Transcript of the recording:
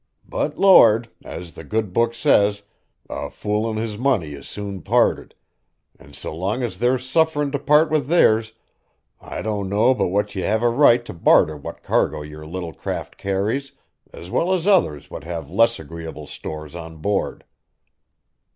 But Lord! as the good book says, a fool an' his money is soon parted, an' so long as they're sufferin' t' part with theirs, I don't know but what ye have a right t' barter what cargo yer little craft carries, as well as others what have less agreeable stores on board."